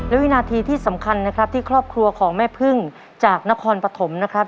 และวินาทีที่สำคัญนะครับที่ครอบครัวของแม่พึ่งจากนครปฐมนะครับ